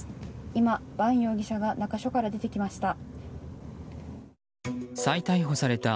今、伴容疑者が中署から出てきました。